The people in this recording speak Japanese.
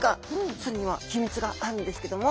それには秘密があるんですけども。